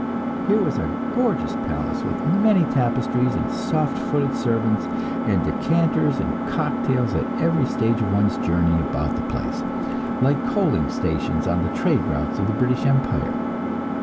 Here was a gorgeous palace with many tapestries, and soft footed servants, and decanters and cocktails at every stage of one's journey about the place, like coaling stations on the trade routes of the British Empire.